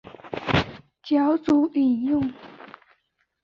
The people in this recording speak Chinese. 脚注引用